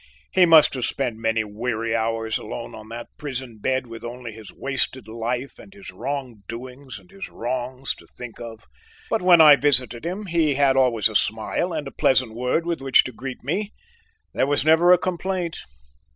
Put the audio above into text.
he must have spent many weary hours alone on that prison bed with only his wasted life and his wrong doings and his wrongs to think of, but when I visited him he had always a smile and a pleasant word with which to greet me, there was never a complaint.